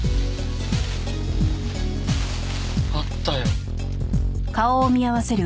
あったよ。